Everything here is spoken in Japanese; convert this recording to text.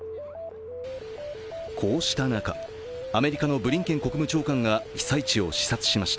こうした中、アメリカのブリンケン国務長官が被災地を視察しました。